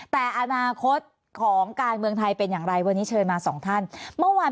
แต่อนาคตของการเมืองไทยเป็นอย่างไรวันนี้เชิญมาสองท่านเมื่อวาน